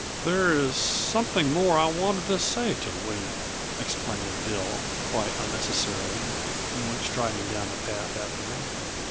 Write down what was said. "There is something more I wanted to say to William," explained Dill quite unnecessarily, and went striding down the path after him.